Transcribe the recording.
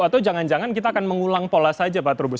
atau jangan jangan kita akan mengulang pola saja pak trubus